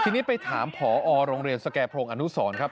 ทีนี้ไปถามผอโรงเรียนสแก่พรงอนุสรครับ